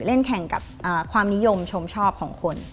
เล่นแข่งกับความนิยมชมชอบของคน